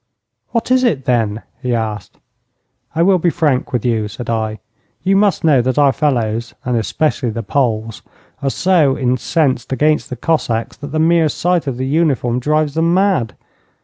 'What is it, then?' he asked. 'I will be frank with you,' said I. 'You must know that our fellows, and especially the Poles, are so incensed against the Cossacks that the mere sight of the uniform drives them mad.